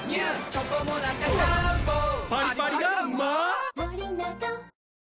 チョコモナカジャーンボパリパリがうまー！